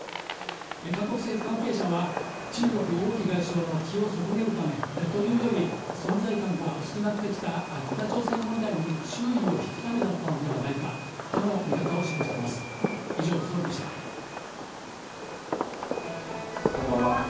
韓国政府関係者は、中国・王毅外相の気を損ねるためというより存在感が薄くなってきた北朝鮮問題に注意を引くためだったのではないかとの見方を示しています。